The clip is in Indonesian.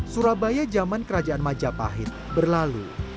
surabaya zaman kerajaan majapahit berlalu